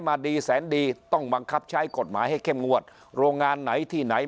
มาดีแสนดีต้องบังคับใช้กฎหมายให้เข้มงวดโรงงานไหนที่ไหน